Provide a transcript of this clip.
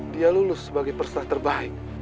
dia lulus sebagai peserta terbaik